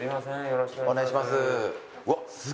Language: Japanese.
よろしくお願いします。